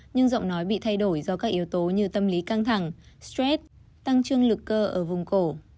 nhưng giọng nói bị thay đổi do các yếu tố như tâm lý căng thẳng stress tăng trương lực cơ ở vùng cổ